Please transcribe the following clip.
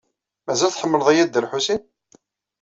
Mazal tḥemmleḍ-iyi a Dda Lḥusin?